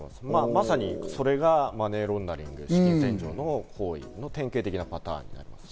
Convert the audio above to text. まさにそれがマネーロンダリング、資金洗浄の典型的なパターンです。